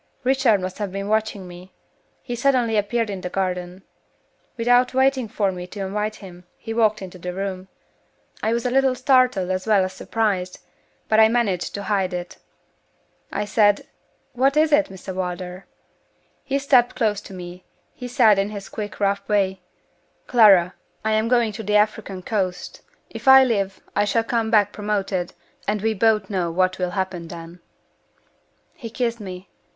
"Richard must have been watching me. He suddenly appeared in the garden. Without waiting for me to invite him, he walked into the room. I was a little startled as well as surprised, but I managed to hide it. I said, 'What is it, Mr. Wardour?' He stepped close up to me; he said, in his quick, rough way: 'Clara! I am going to the African coast. If I live, I shall come back promoted; and we both know what will happen then.' He kissed me.